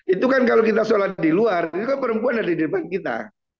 itu kan kalau kita sholat di luar itu perempuan ada di depan kita